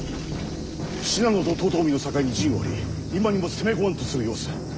信濃と遠江の境に陣を張り今にも攻め込まんとする様子！